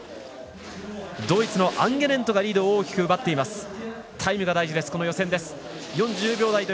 ドイツのアンゲネントがリードしています。